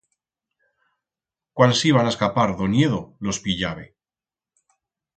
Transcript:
Cuan s'iban a escapar d'o niedo los pillabe.